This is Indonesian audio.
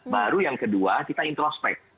baru yang kedua kita introspek